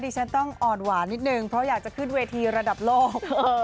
ฉันต้องอ่อนหวานนิดนึงเพราะอยากจะขึ้นเวทีระดับโลก